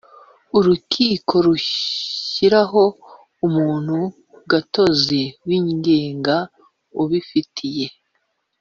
Urukiko rushyiraho umuntu gatozi wigenga ubifitiye